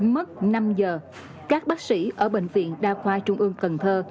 mất năm giờ các bác sĩ ở bệnh viện đa khoa trung ương cần thơ